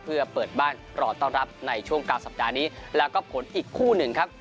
เพื่อเปิดบ้านรอต้อนรับในช่วงกลางสัปดาห์นี้แล้วก็ผลอีกคู่หนึ่งครับ